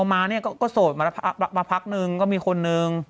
มาปั๊บนึงก็มีคนนึง